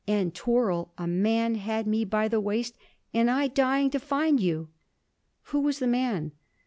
And twirl! a man had me by the waist, and I dying to find you.' 'Who was the man?'